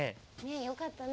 よかったね